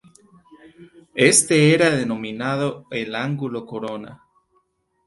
Éste era denominado el ángulo corona.